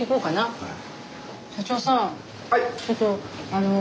・はい。